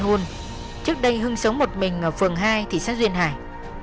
hưng đã li hôn trước đây hưng sống một mình ở phường hai thị xã duyên hải